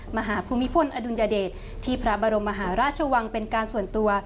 ภูมิพลอดุลยเดชที่พระบรมมหาราชวังเป็นการส่วนตัว